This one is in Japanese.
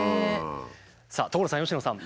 さあ所さん佳乃さん。